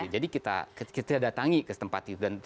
jadi kita datangi ke tempat itu